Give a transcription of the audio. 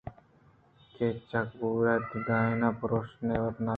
کہ چکبور دِیئان ءَ پرٛوشان ءُ وَرَانے